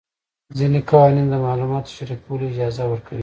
ځینې قوانین د معلوماتو شریکولو اجازه ورکوي.